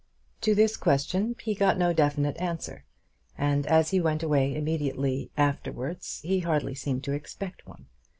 To this question he got no definite answer, and as he went away immediately afterwards he hardly seemed to expect one.